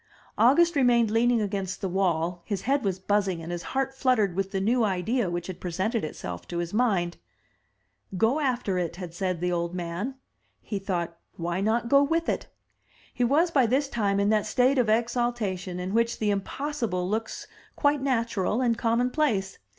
August remained leaning against the wall; his head was buzzing and his heart fluttered with the new idea which had presented itself to his mind.% "Go after it," had said the old man. He thought, "Why not go with it?" He was by this time in that state of exaltation in which the impossible looks quite natural and commonplace.